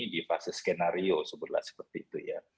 di fase skenario sebutlah seperti itu ya